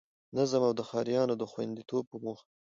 نظم او د ښاريانو د خوندیتوب په موخه